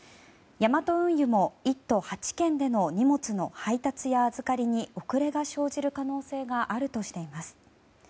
ヤマト運輸も１都８県での荷物の配達や預かりに遅れが生じる可能性があるとしています。